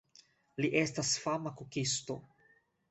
Li estas fama kukisto.